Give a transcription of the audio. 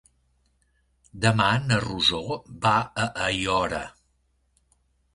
Demà na Rosó va a Aiora.